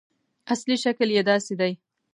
اصلي شکل یې داسې دی.